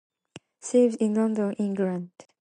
She lives in London, England.